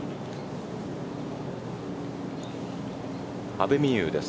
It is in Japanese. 阿部未悠です。